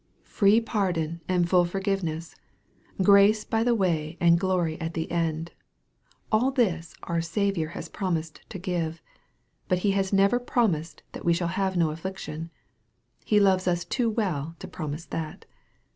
Free pardon and full forgiveness, grace by the way and glory at the end all this our Saviour has promised to give. But He has never promised that we shall have no affliction. He loves us too well to promise that.